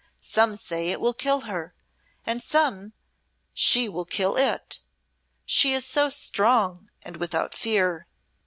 Some say it will kill her, and some she will kill it. She is so strong and without fear."